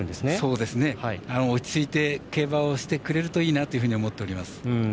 落ち着いて競馬をしてくれるといいなと思っております。